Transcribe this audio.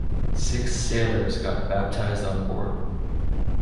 Six sailors got baptized on board.